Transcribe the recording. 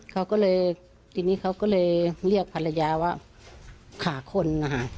เขาก็เลยทีนี้เขาก็เลยเรียกภรรยาว่าขาคนนะคะ